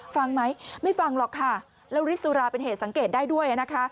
ฟังไหมไม่ฟังหรอกค่ะแล้วฤทธิสุราเป็นเหตุสังเกตได้ด้วยนะคะ